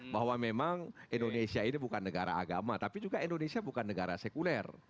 bahwa memang indonesia ini bukan negara agama tapi juga indonesia bukan negara sekuler